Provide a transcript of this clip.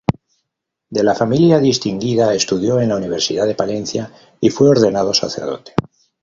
De familia distinguida, estudió en la Universidad de Palencia y fue ordenado sacerdote.